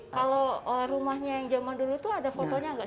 kalau rumahnya yang zaman dulu tuh ada fotonya nggak